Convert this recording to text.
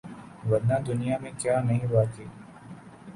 ورنہ دنیا میں کیا نہیں باقی